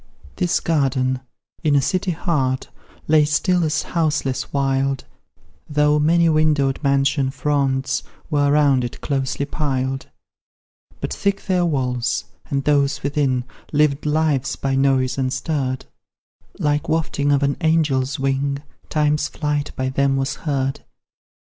This garden, in a city heart, Lay still as houseless wild, Though many windowed mansion fronts Were round it; closely piled; But thick their walls, and those within Lived lives by noise unstirred; Like wafting of an angel's wing, Time's flight by them was heard.